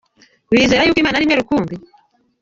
Wizera yuko Imana ari imwe rukumbi.